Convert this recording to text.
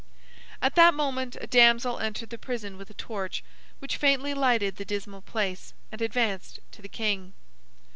At that moment a damsel entered the prison with a torch, which faintly lighted the dismal place, and advanced to the king.